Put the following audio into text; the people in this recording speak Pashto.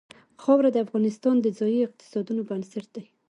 خاوره د افغانستان د ځایي اقتصادونو بنسټ دی.